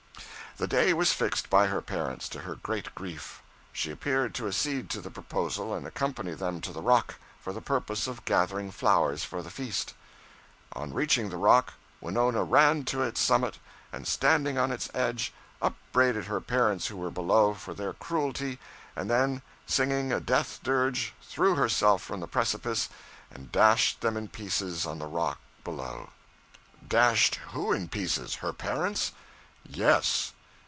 The day was fixed by her parents, to her great grief. She appeared to accede to the proposal and accompany them to the rock, for the purpose of gathering flowers for the feast. On reaching the rock, We no na ran to its summit and standing on its edge upbraided her parents who were below, for their cruelty, and then singing a death dirge, threw herself from the precipice and dashed them in pieces on the rock below.' 'Dashed who in pieces her parents?' 'Yes.'